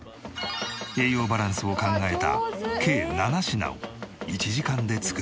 栄養バランスを考えた計７品を１時間で作る。